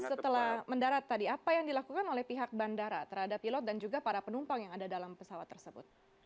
setelah mendarat tadi apa yang dilakukan oleh pihak bandara terhadap pilot dan juga para penumpang yang ada dalam pesawat tersebut